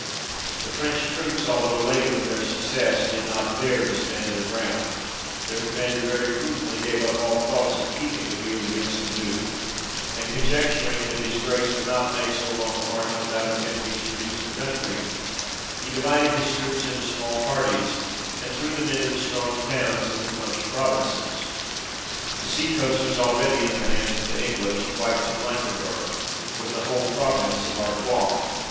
The French troops, although elated with their success, did not dare to stand their ground : their Com mander very prudently gave up all thoughts of keeping the field against the Duke, and conjecturing that his Grace would not make so long a march, without attempt ing to reduce the country, he divided his troops into small parties, and threw them into the strong towns in the Flemish provinces. The sea coast was already in the hands of the English, quite to Blankenburgh, with the whole province of Artois.